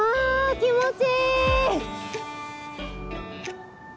気持ちいい！